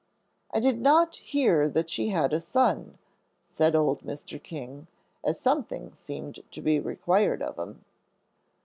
"I did not hear that she had a son," said old Mr. King, as something seemed to be required of him.